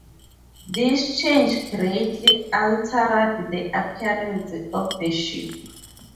This change greatly altered the appearance of the ship.